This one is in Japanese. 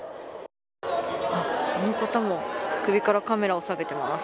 あの方も首からカメラをさげています。